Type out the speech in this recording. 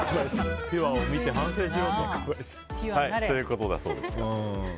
ということだそうです。